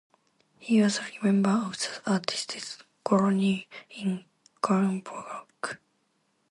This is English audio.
He was a member of the artist's colony in Cranbrook.